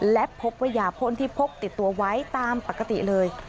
และพบว่ายาพ่นที่พกติดตัวไว้ตามปกติเลย